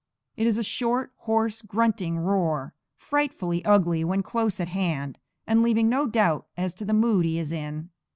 It is a short, hoarse, grunting roar, frightfully ugly when close at hand, and leaving no doubt as to the mood he is in.